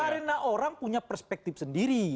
karena orang punya perspektif sendiri